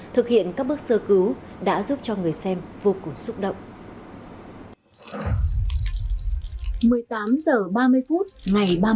thực hiện các bước sơ cứu đã giúp cho người xem vô cùng xúc động